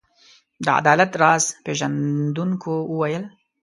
د عدالت راز پيژندونکو وویل.